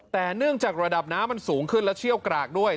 แต่เนื่องจากระดับน้ำมันสูงขึ้นและเชี่ยวกรากด้วย